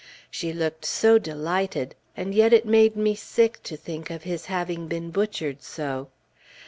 She looked so delighted, and yet it made me sick to think of his having been butchered so.